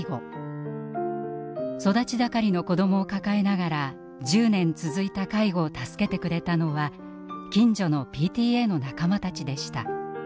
育ち盛りの子どもを抱えながら１０年続いた介護を助けてくれたのは近所のＰＴＡの仲間たちでした。